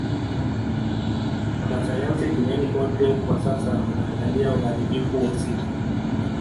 Wanasayansi duniani kote kwa sasa wanaangalia uharibifu wa sita